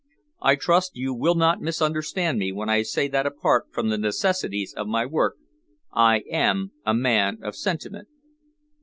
I trust you will not misunderstand me when I say that apart from the necessities of my work, I am a man of sentiment."